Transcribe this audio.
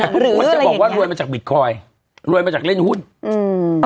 หรืออะไรอย่างเงี้ยทุกคนจะบอกว่ารวยมาจากบิตคอยน์รวยมาจากเล่นหุ้นอืม